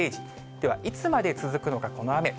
ではいつまで続くのか、この雨。